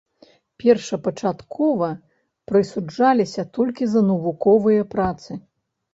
Першапачаткова прысуджаліся толькі за навуковыя працы.